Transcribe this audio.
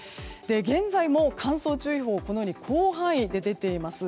現在も乾燥注意報がこのように広範囲で出ています。